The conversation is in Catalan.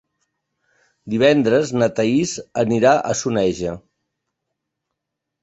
Divendres na Thaís anirà a Soneja.